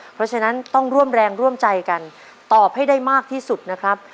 เพราะฉะนั้นต้องร่วมแรงร่วมใจกันตอบให้ได้มากที่สุดนะครับ